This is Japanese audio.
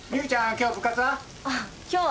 今日部活は？